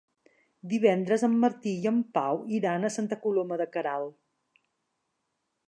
Divendres en Martí i en Pau iran a Santa Coloma de Queralt.